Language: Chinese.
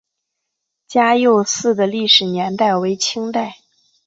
嘉佑寺的历史年代为清代。